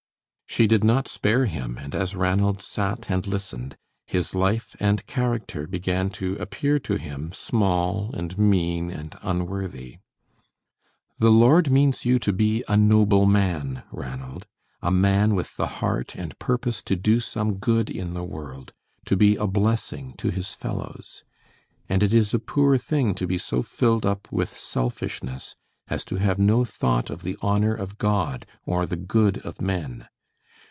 She did not spare him, and as Ranald sat and listened, his life and character began to appear to him small and mean and unworthy. "The Lord means you to be a noble man, Ranald a man with the heart and purpose to do some good in the world, to be a blessing to his fellows; and it is a poor thing to be so filled up with selfishness as to have no thought of the honor of God or of the good of men.